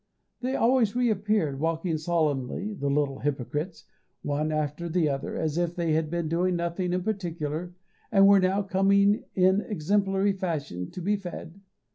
They always re appeared, walking solemnly (the little hypocrites!) one after the other, as if they had been doing nothing in particular, and were now coming in exemplary fashion to be fed.